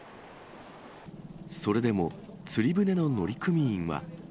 それでも釣り船の乗組員は。